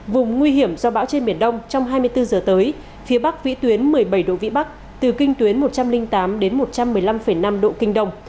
vùng nguy hiểm do bão trên biển đông trong hai mươi bốn giờ tới phía bắc vĩ tuyến một mươi bảy độ vĩ bắc từ kinh tuyến một trăm linh tám đến một trăm một mươi năm năm độ kinh đông